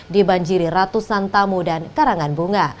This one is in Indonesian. dibanjiri ratusan tamu dan karangan bunga